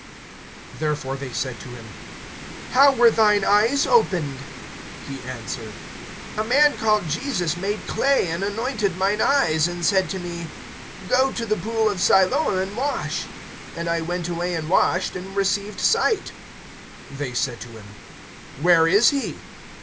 (10)Therefore they said to him: How were thine eyes opened? (11)He answered: A man called Jesus made clay, and anointed mine eyes, and said to me: Go to the pool of Siloam, and wash. And I went away and washed, and received sight. (12)They said to him: Where is he?